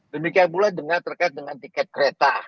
demikian pula terkait dengan tiket kereta